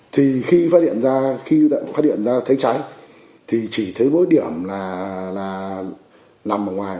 thì khi phát hiện ra thấy cháy thì chỉ thấy mỗi điểm là nằm ở ngoài